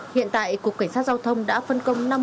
hiện tại cục cảnh sát giao thông đã phân công